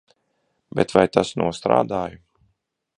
Bet vai tas nostrādāja?